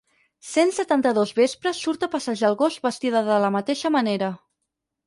Cent setanta-dos vespre surt a passejar el gos vestida de la mateixa manera.